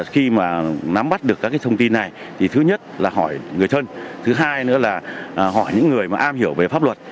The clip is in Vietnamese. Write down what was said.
khi nắm bắt được các thông tin này thứ nhất là hỏi người thân thứ hai nữa là hỏi những người am hiểu về pháp luật